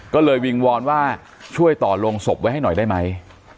ก็เลยวิงวอนว่าช่วยต่อลงศพไว้ให้หน่อยได้ไหม